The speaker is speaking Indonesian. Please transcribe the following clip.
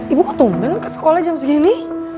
ibu ketum ke sekolah jam segini